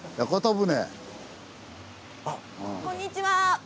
・こんにちは。